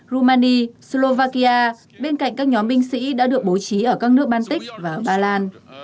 romani slovakia bên cạnh các nhóm binh sĩ đã được bố trí ở các nước baltic và ba lan